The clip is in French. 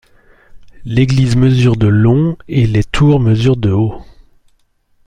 L'église mesure de long et les tours mesurent de haut.